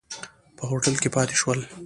په هوټل کې پاتې شول.